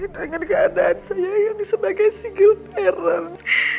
dengan keadaan saya yang sebagai single parent